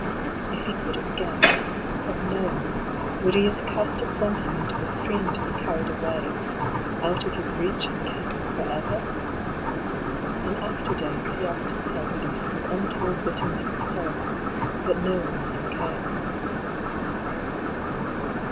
If he could have guessed, have known, would he have cast it from him into the stream to be carried away — out of his reach and ken, for ever? In after days he asked himself this with untold bitterness of soul, but no an swer came.